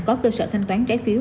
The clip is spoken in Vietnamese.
có cơ sở thanh toán trái phiếu